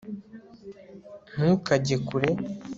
ntukajye kure